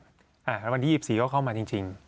แล้ววันที่๒๔ก็เข้ามาจริง